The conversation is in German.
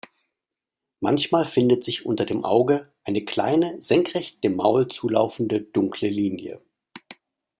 Manchmal findet sich unter dem Auge eine kleine, senkrecht dem Maul zulaufende dunkle Linie.